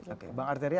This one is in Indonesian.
oke mbak arteria